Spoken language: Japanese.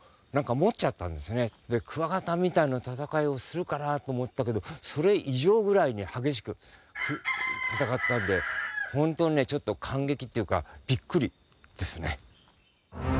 でクワガタみたいな戦いをするかなと思ったけどそれ以上ぐらいに激しく戦ってたんでホントにねちょっと感激っていうかびっくりですね。